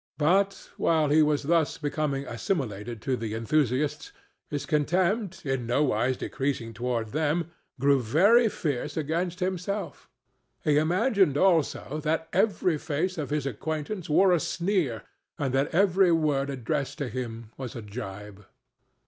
But, while he was thus becoming assimilated to the enthusiasts, his contempt, in nowise decreasing toward them, grew very fierce against himself; he imagined, also, that every face of his acquaintance wore a sneer, and that every word addressed to him was a gibe.